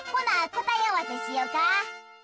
こたえあわせしようか。